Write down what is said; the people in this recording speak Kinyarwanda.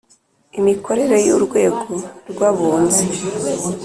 Imikorere y urwego rw abunzi